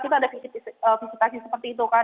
kita ada visitasi seperti itu kan